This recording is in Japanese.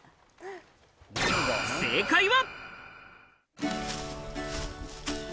正解は。